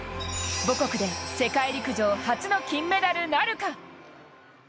母国で世界陸上初の金メダルなるか。